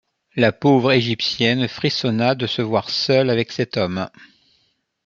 La pauvre égyptienne frissonna de se voir seule avec cet homme.